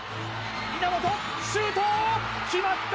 「稲本シュート決まった！」